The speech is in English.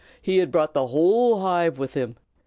He had brought the whole hive with him.